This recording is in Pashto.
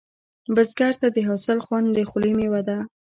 بزګر ته د حاصل خوند د خولې میوه ده